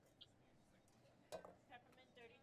Wa watu mia saba arobaini kwa kilomita za mraba